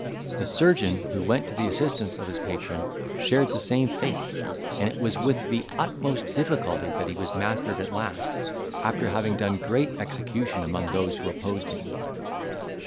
The surgeon, who went to the assistance of his patron, shared the same fate; and it was with the utmost difficulty that he was mastered at last, after having done great execution among those who opposed him.